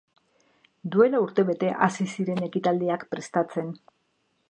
Duela urtebete hasi ziren ekitaldiak prestatzen.